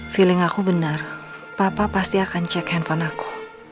feeling aku benar papa pasti akan cek handphone aku